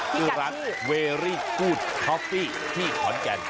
ชื่อร้านเวรี่กูธคอฟฟี่ที่ขอนแก่น